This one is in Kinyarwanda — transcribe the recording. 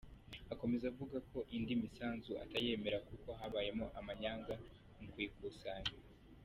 Akomeza avuga ko indi misanzu atayemera kuko habayemo amanyanga mu kuyikusanya.